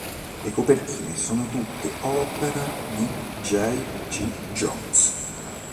Le copertine sono tutte opera di J. G. Jones.